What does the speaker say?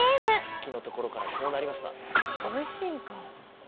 さっきのところからこうなりました。